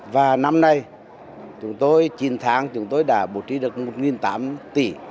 và năm nay chúng tôi chín tháng chúng tôi đã bổ trì được một tám trăm linh tỷ